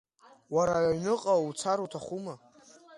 Уара, аҩныҟа уцар уҭахума?